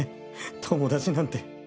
友達なんて。